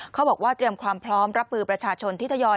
เขาบอกว่าเตรียมความพร้อมรับมือประชาชนที่ทยอย